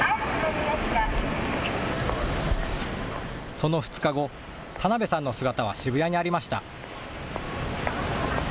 その２日後、田鍋さんの姿は渋谷にありました。